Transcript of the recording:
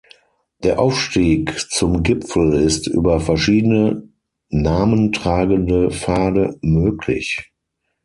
Der Aufstieg zum Gipfel ist über verschiedene, Namen tragende Pfade möglich.